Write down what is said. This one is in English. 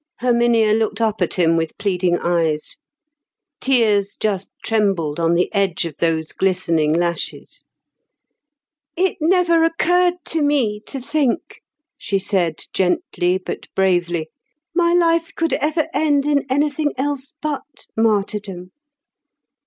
Herminia looked up at him with pleading eyes. Tears just trembled on the edge of those glistening lashes. "It never occurred to me to think," she said gently but bravely, "my life could ever end in anything else but martyrdom.